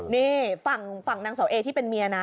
นี่ฝั่งนางเสาเอที่เป็นเมียนะ